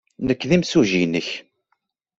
Nekk d imsujji-nnek.